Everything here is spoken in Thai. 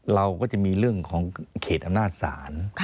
เราก็จะมีเรื่องของเขตอำนาจศาล